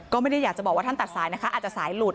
ก็ไม่ได้อยากจะบอกว่าท่านตัดสายนะคะอาจจะสายหลุด